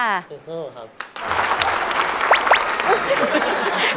ซู่ครับ